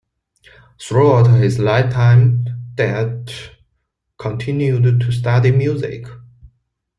Throughout his lifetime, Dett continued to study music.